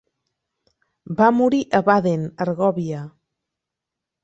Va morir a Baden, Argòvia.